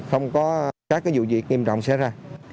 không có các cái dụ dị nghiêm trọng xảy ra